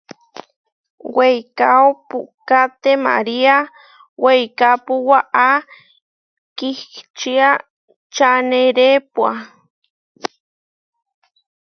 Weikáo puʼká temariá weikápu, waʼá kihčía čanerepua.